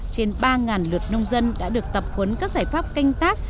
trên ba lượt nông dân đã được tập huấn các giải pháp canh tác